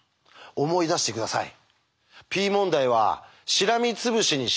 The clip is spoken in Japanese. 思い出して下さい。